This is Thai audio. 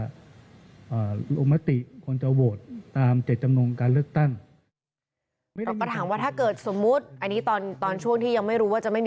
ก็ยังคงเชื่อมั่นอยู่ว่าถ้าแปดพักจับมือกันแน่นพอการจัดตั้งรัฐบาลจะเกิดขึ้นได้ยากหรือง่ายลองไปฟังนะครับ